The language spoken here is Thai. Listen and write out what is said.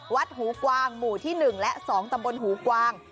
วัดหูกวางหมู่ที่๑และ๒ตำบลหูกวาง